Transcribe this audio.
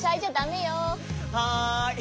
はい。